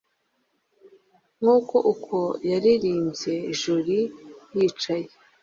Nguko uko yaririmbye joli yicaye